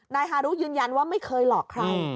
ฮารุยืนยันว่าไม่เคยหลอกใคร